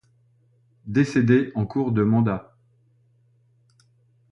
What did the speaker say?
Décédé en cours de mandat.